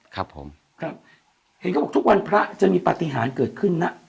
ครับผมครับเห็นเขาบอกทุกวันพระจะมีปฏิหารเกิดขึ้นนะ